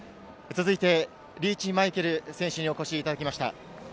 続いてリーチ・マイケル選手にお越しいただきました。